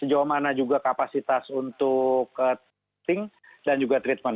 sejauh mana juga kapasitas untuk testing dan juga treatment